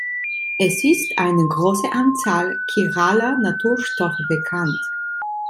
Es ist eine große Anzahl chiraler Naturstoffe bekannt.